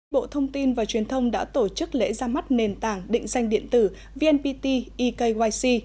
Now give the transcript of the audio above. bộ thông tin và truyền thông đã tổ chức lễ ra mắt nền tảng định danh điện tử vnpt ekyc